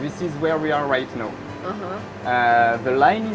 ketika semua pasangannya berdiri